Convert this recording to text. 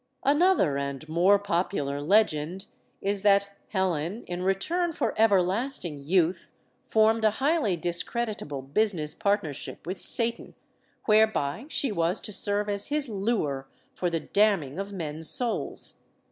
Another and more popular legend is that Helen, in return for everlasting youth, formed a highly discredit able business partnership with Satan, whereby she was to serve as his lure for the damning of men's souls.